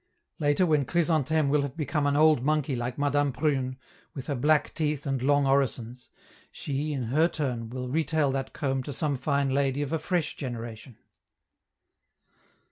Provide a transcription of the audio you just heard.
Later when Chrysantheme will have become an old monkey like Madame Prune, with her black teeth and long orisons, she, in her turn, will retail that comb to some fine lady of a fresh generation.